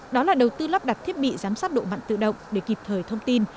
đó là đầu tư lắp đặt thiết bị giám sát độ mặn tự động để kịp thời thông tin